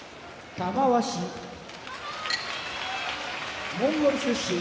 玉鷲モンゴル出身